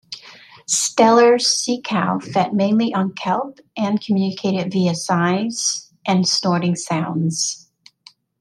Steller's sea cow fed mainly on kelp, and communicated via sighs and snorting sounds.